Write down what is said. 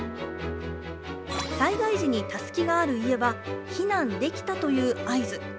災害時にたすきがある家は、避難できたという合図。